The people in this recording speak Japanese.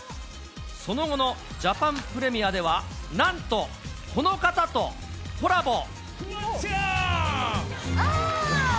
その後のジャパンプレミアでは、なんとこの方とコラボ。